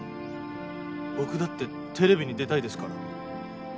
僕だってテレビに出たいですから。